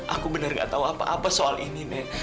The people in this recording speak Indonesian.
aku bener nggak tahu apa apa soal ini nek